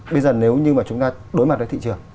bây giờ nếu như mà chúng ta đối mặt với thị trường